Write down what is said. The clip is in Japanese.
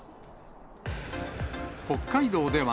北海道では、